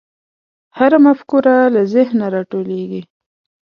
هره مفکوره له ذهنه راټوکېږي.